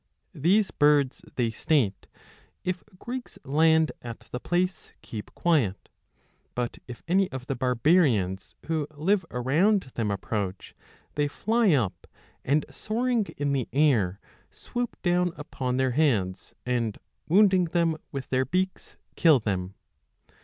These birds, they state, if Greeks land at the place, keep quiet ; but if any of the barbarians who live around them approach, they fly up, and soaring in the air swoop down upon their heads, and, wounding them with their beaks, kill them.